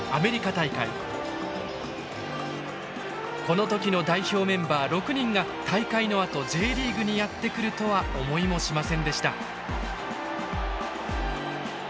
この時の代表メンバー６人が大会のあとＪリーグにやって来るとは思いもしませんでした。